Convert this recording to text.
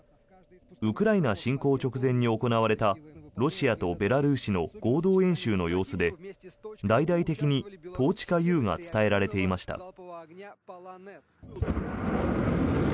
ウクライナ侵攻直前に行われたロシアとベラルーシの合同演習の様子で大々的にトーチカＵが伝えられていました。